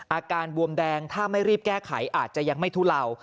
อาการบวมแดงถ้าไม่รีบแก้ไขอาจจะยังไม่ทุเลา